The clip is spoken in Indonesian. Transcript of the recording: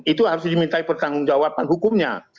itu harus dimintai pertanggung jawaban hukumnya